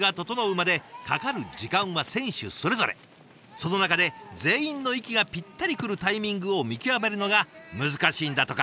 その中で全員の息がぴったりくるタイミングを見極めるのが難しいんだとか。